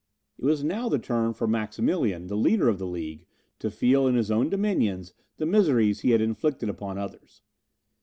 It was now the turn for Maximilian, the leader of the League, to feel in his own dominions the miseries he had inflicted upon others.